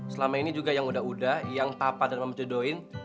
selama ini juga yang udah udah yang tapat dan memjodohin